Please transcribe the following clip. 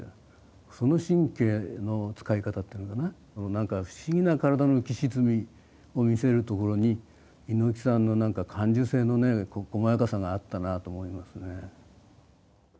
その神経のつかい方っていうのかななんか不思議な体の浮き沈みを見せるところに猪木さんのなんか感受性のねこまやかさがあったなと思いますね。